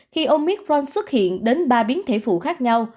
khi omicron xuất hiện đến ba biến thể phụ khác nhau